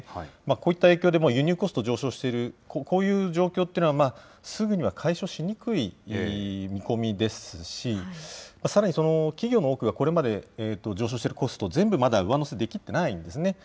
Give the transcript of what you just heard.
こういった影響で輸入コスト上昇している、こういった状況というのは、すぐには解消しにくい見込みですし、さらに企業の多くがこれまで上昇してるコスト、全部まだ上乗せできてないんですね。